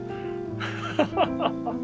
ハハハハ。